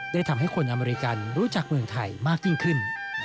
ทำให้คนอเมริกันรู้จักเมืองไทยมากยิ่งขึ้น